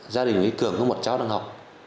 gia đình nguyễn cường có một cháu đang học